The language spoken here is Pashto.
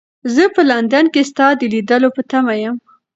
زه په لندن کې ستا د لیدلو په تمه یم.